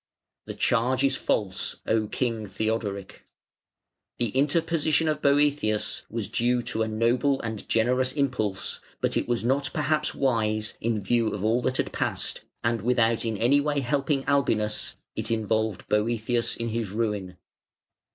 The charge is false, O King Theodoric".The inter position of Boëthius was due to a noble and generous impulse, but it was not perhaps wise, in view of all that had passed, and without in any way helping Albinus, it involved Boëthius in his ruin.